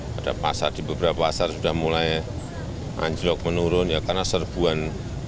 pada pasar di beberapa pasar sudah mulai anjlok menurun ya karena serbuan